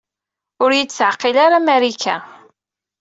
Ur iyi-teɛqil ara Marika.